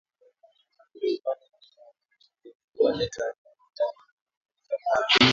Uki pande bia mayani uta weza ku leta Amani ndani ya jama yako